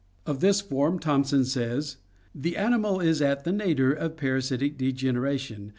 Of this form Thomson says: "The animal is at the nadir of parasitic degeneration.